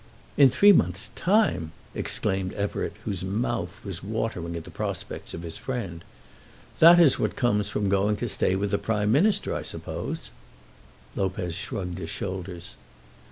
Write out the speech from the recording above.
"In three months' time!" exclaimed Everett, whose mouth was watering at the prospects of his friend. "That is what comes from going to stay with the Prime Minister, I suppose." Lopez shrugged his shoulders.